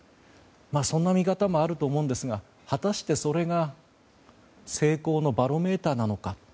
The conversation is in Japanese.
そんな見方もあると思うんですが果たして、それが成功のバロメーターなのか。